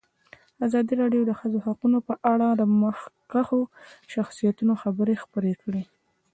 ازادي راډیو د د ښځو حقونه په اړه د مخکښو شخصیتونو خبرې خپرې کړي.